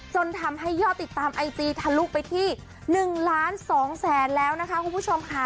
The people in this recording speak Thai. จนทำให้ยอดติดตามไอจีทะลุไปที่๑ล้าน๒แสนแล้วนะคะคุณผู้ชมค่ะ